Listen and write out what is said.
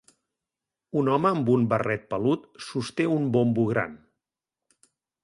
Un home amb un barret pelut sosté un bombo gran.